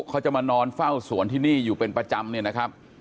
เขาจะมานอนเฝ้าสวนที่นี่อยู่เป็นประจำ